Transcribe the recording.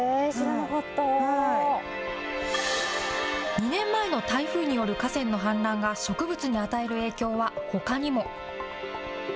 ２年前の台風による河川の氾濫が、植物に与える影響はほかにも。